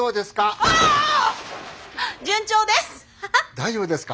大丈夫ですか？